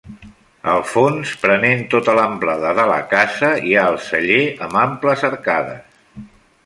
Al fons, prenent tota l'amplada de la casa, hi ha el celler amb amples arcades.